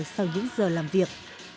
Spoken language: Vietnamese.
sau những giờ làm việc